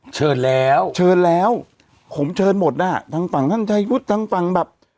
เชิญแล้วเชิญแล้วผมเชิญหมดน่ะทางฝั่งท่านชายวุฒิทางฝั่งแบบ